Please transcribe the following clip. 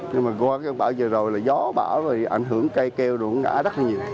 nhưng mà qua bão giờ rồi là gió bão ảnh hưởng cây keo đủ ngã rất là nhiều